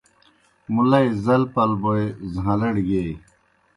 مُلئی زل پل بوئے زھاݩلَڑ گیئی۔